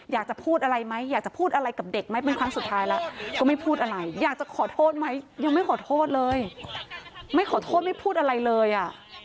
อยากจะพูดอะไรไหมอยากจะพูดอะไรกับเด็กไหมเป็นครั้งสุดท้ายแล้วก็ไม่พูดอะไรอยากจะขอโทษไหมยังไม่ขอโทษเลยไม่ขอโทษไม่พูดอะไรเลยอ่ะ